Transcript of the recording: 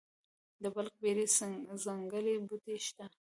د بلک بیري ځنګلي بوټي شته؟